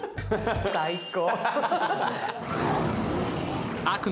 最高。